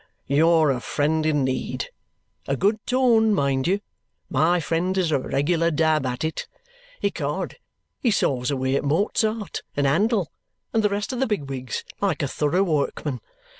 "You're a friend in need. A good tone, mind you! My friend is a regular dab at it. Ecod, he saws away at Mozart and Handel and the rest of the big wigs like a thorough workman.